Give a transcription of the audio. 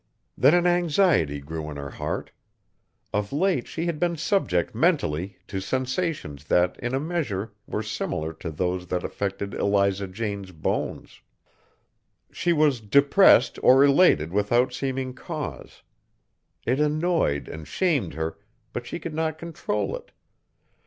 Then an anxiety grew in her heart. Of late she had been subject mentally to sensations that in a measure were similar to those that affected Eliza Jane's bones. She was depressed or elated without seeming cause. It annoyed and shamed her, but she could not control it.